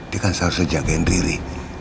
dia kan selalu jagain riri